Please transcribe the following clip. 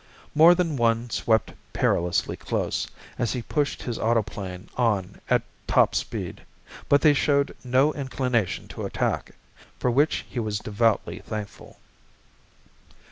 More than one swept perilously close, as he pushed his auto plane on at top speed; but they showed no inclination to attack, for which he was devoutly thankful.